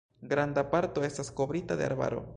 Granda parto estas kovrita de arbaro.